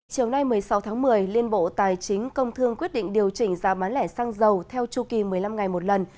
chiều nay một mươi sáu tháng một mươi liên bộ tài chính công thương quyết định điều chỉnh giá bán lẻ xăng dầu theo chu kỳ một mươi năm ngày một lần